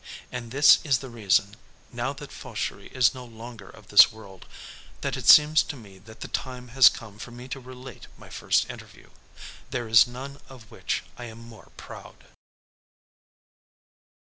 And this is the reason, now that Fauchery is no longer of this world, that it seems to me that the time has come for me to relate my first interview. There is none of which I am more proud.